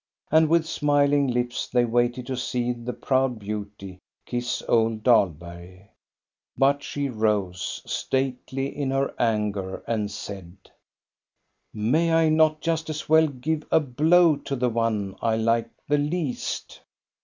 And with smiling lips they waited to see the proud beauty kiss old Dahlberg. But she rose, stately in her anger, and said :—" May I not just as well give a blow to the one I like the least!